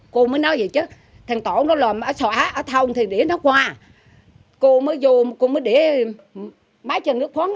cô mới nói vậy chứ thằng tổ nó làm ở xóa ở thông thì để nó qua cô mới vô cô mới để mái cho nước phóng